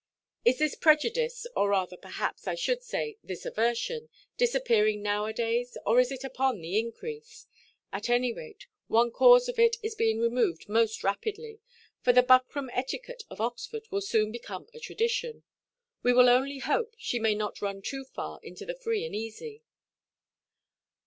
Is this prejudice, or, rather, perhaps, I should say, this aversion, disappearing now–a–days, or is it upon the increase? At any rate, one cause of it is being removed most rapidly; for the buckram etiquette of Oxford will soon become a tradition. We will only hope she may not run too far into the free and easy.